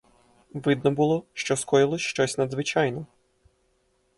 Видно було, що скоїлось щось надзвичайне.